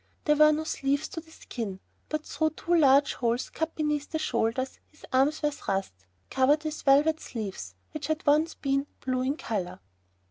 There were no sleeves to the skin, but through two large holes, cut beneath the shoulders, his arms were thrust, covered with velvet sleeves which had once been blue in color.